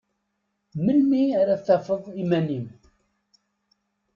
Melmi ara tafeḍ iman-im?